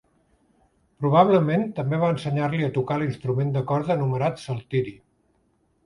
Probablement també va ensenyar-li a tocar l'instrument de corda anomenat saltiri.